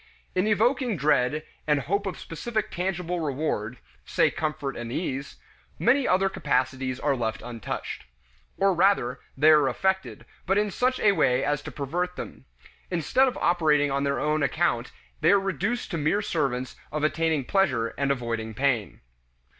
In evoking dread and hope of specific tangible reward say comfort and ease many other capacities are left untouched. Or rather, they are affected, but in such a way as to pervert them. Instead of operating on their own account they are reduced to mere servants of attaining pleasure and avoiding pain.